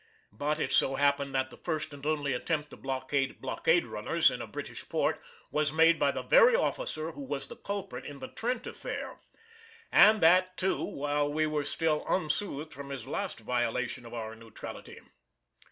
But it so happened that the first and only attempt to blockade blockade runners in a British port was made by the very officer who was the culprit in the Trent affair, and that too while we were still unsoothed from his last violation of our neutrality.